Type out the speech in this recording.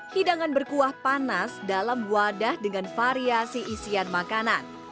hidangan berkuah panas dalam wadah dengan variasi isian makanan